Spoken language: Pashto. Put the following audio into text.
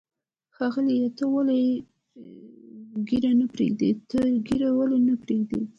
ښاغلیه، ته ولې ږیره نه پرېږدې؟ ته ږیره ولې نه پرېږدی؟